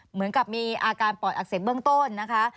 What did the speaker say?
เหมือนกับมีอาการปอดอักเสบเบื้องต้นนะคะ